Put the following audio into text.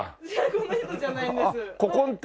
この人じゃないんです。古今亭？